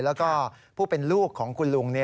แล้วก็ผู้เป็นลูกของคุณลุง